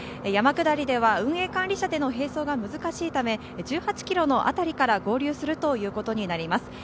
山下りでは運営管理車での並走は難しいため、１８ｋｍのあたりから合流するということになります。